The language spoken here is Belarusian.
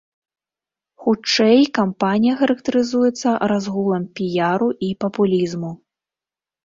Хутчэй, кампанія характарызуецца разгулам піяру і папулізму.